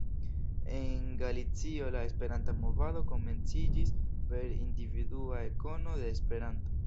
En Galicio la Esperanta movado komenciĝis per individua ekkono de Esperanto.